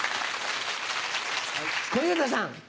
小遊三さん。